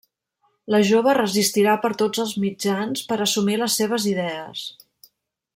La jove resistirà per tots els mitjans per assumir les seves idees.